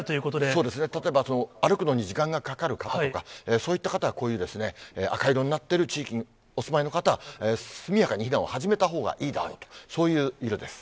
そうですね、例えば歩くのに時間がかかる方とか、そういった方はこういう赤色になってる地域にお住まいの方は、速やかに避難を始めたほうがいいだろうと、そういう色です。